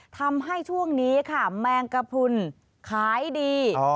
ทำให้ช่วงนี้ค่ะแมงกระพุนขายดี